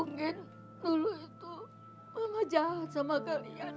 mungkin dulu itu mama jahat sama kalian